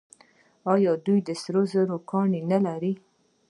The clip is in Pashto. آیا دوی د سرو زرو کانونه نلري؟